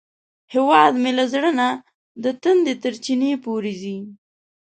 هیواد مې له زړه نه د تندي تر چینې پورې ځي